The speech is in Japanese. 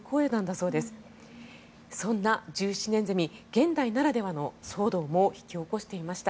そんな１７年ゼミ現代ならではの騒動も引き起こしていました。